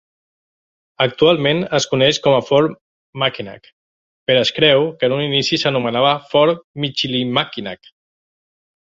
Actualment es coneix com a Fort Mackinac, però es creu que en un inici s'anomenava Fort Michilimackinac.